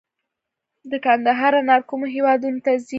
د کندهار انار کومو هیوادونو ته ځي؟